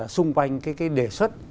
xung quanh cái đề xuất